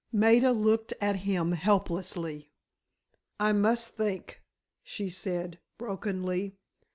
Maida looked at him helplessly. "I must think," she said, brokenly.